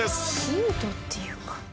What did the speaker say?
ヒントっていうか。